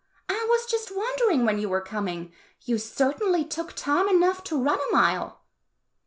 I was just wondering when you were coming; you certainly took time enough to run a mile."